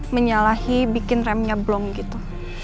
menyalahi bikin remnya blong gitu